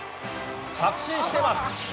確信してます。